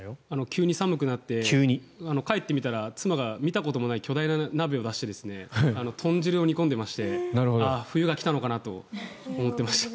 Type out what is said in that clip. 急に寒くなって帰って見たら妻が見たこともない巨大な鍋を出して豚汁を煮込んでましてああ冬が来たのかなと思ってました。